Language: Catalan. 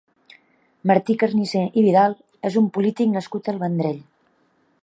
Martí Carnicer i Vidal és un polític nascut al Vendrell.